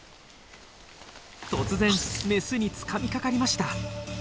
突然メスにつかみかかりました。